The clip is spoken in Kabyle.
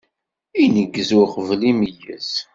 Ineggez uqbel ma imeyyez.